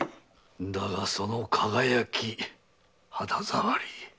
だがその輝き肌触り。